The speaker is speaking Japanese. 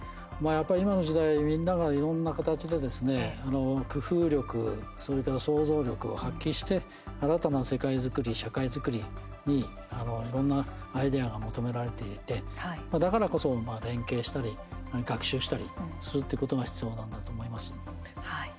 やっぱり今の時代、みんながいろんな形でですね、工夫力それから想像力を発揮して新たな世界作り、社会作りにいろいろなアイデアが求められていてだからこそ連携したり学習したりするってことが必要なんだと思います。